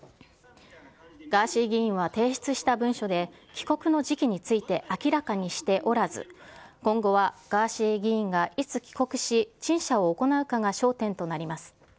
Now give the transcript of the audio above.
ガーシー議員は提出した文書で、帰国の時期について明らかにしておらず、今後はガーシー議員がいつ帰国し、陳謝を行うかが焦点となります。